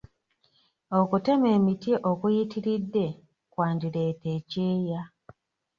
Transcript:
Okutema emiti okuyitiridde kwandireeta ekyeya.